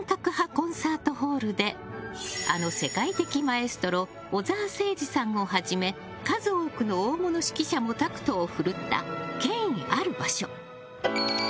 コンサートホールであの世界的マエストロ小澤征爾さんをはじめ数多くの大物指揮者もタクトを振るった権威ある場所。